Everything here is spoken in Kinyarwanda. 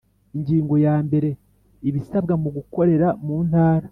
Ingingo ya mbere Ibisabwa mu gukorera muntara